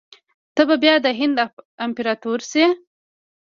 ته به بیا د هند امپراطور سې.